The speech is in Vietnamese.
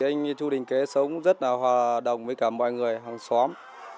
anh chu đình kế sống rất là hòa đồng với cả mọi người hàng xóm